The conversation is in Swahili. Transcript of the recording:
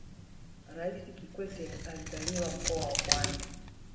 raisi kikwete alizaliwa mkoa wa pwani